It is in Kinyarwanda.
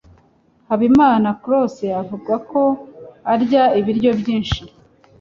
Habimana close avuga ko arya ibiryo byinshi.